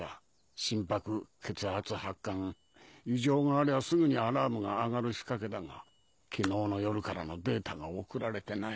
心拍血圧発汗異常がありゃすぐにアラームが上がる仕掛けだが昨日の夜からのデータが送られてない。